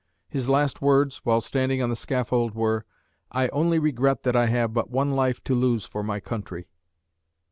His last words, while standing on the scaffold, were, "I only regret that I have but one life to lose for my country."